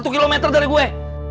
satu km dari gue